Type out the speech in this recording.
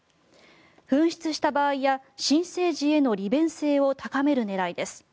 紛失した場合や新生児への利便性を高める狙いです。